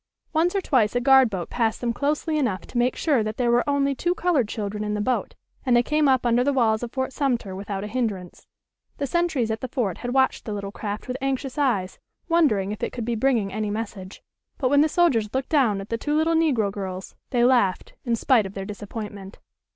Once or twice a guard boat passed them closely enough to make sure that there were only two colored children in the boat, and they came up under the walls of Fort Sumter without a hindrance. The sentries at the fort had watched the little craft with anxious eyes, wondering if it could be bringing any message. But when the soldiers looked down at the two little negro girls they laughed, in spite of their disappointment.